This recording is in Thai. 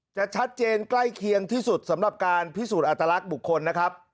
จะชัดเจนใกล้เคียงที่สุดสำหรับการพิสูจน์อัตลักษณ์บุคคลนะครับ